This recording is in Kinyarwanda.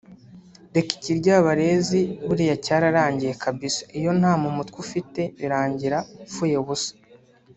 reka ikiryabarezi buriya cyararangiye kbsa iyo nta mumutwe ufite birangira upfuye ubusa